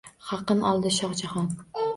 Haqqin oldi Shoh Jahon.